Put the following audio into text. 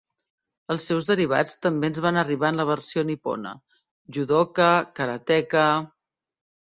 Els seus derivats també ens van arribar en la versió nipona: judoka, karateka.